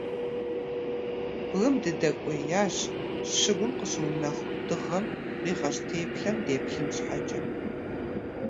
Бгым дыдэкӏуеящ, щыгум къыщыунэху дыгъэм къигъэщӏ теплъэм деплъын щхьэкӏэ.